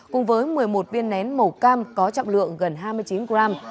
cùng với một mươi một viên nén màu cam có trọng lượng gần hai mươi chín gram